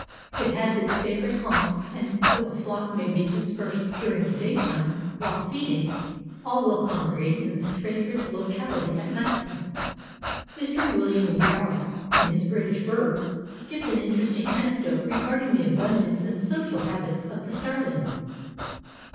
It has its favorite haunts and, though a flock may be dispersed during the daytime while feeding, all will congregate in the favorite locality at nightfall. Mr. William Yarrell, in his "British Birds," gives an interesting anecdote regarding the abundance and social habits of the Starling.